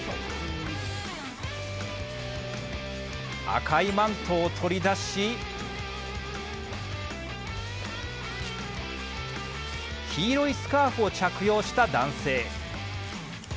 赤いマントを取り出し黄色いスカーフを着用した男性。